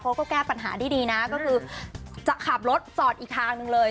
เพราะก็แก้ปัญหาดีนะก็คือจะขับรถจอดอีกทางหนึ่งเลย